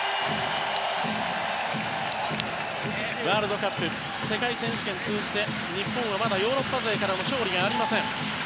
ワールドカップ世界選手権を通じて日本はまだヨーロッパ勢から勝利はありません。